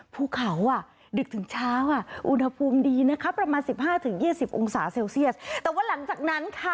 ภูเขาดึกถึงเช้าอ่ะอุณหภูมิดีนะคะประมาณ๑๕๒๐องศาเซลเซียสแต่ว่าหลังจากนั้นค่ะ